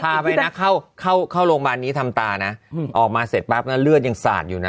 พาไปนะเข้าโรงบาลนี้ทำตานะออกมาเสร็จปั๊บแล้วเลือดยังสาดอยู่นะ